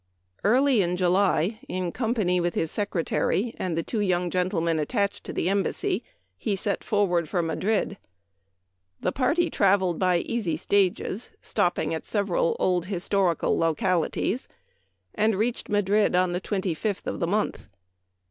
Early in July, in company with his Secretary and the two young gentlemen attached to the Embassy, he set forward for Madrid. The party traveled by easy stages, stopping at several old historical localities, and reached Madrid on the 25th of the month.